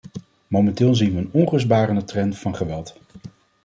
Momenteel zien we een onrustbarende trend van geweld.